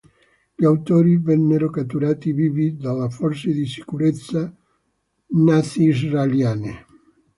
Gli autori vennero catturati vivi dalle forze di sicurezza israeliane.